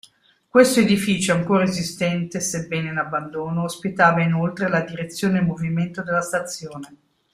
Questo edificio, ancora esistente sebbene in abbandono, ospitava inoltre la Direzione Movimento della stazione.